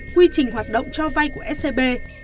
quy trình hoạt động cho vay của scb